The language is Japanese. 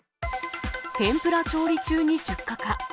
天ぷら調理中に出火か。